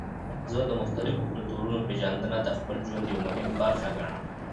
زه د مختلفو کلتورونو پیژندنه د خپل ژوند یوه برخه ګڼم.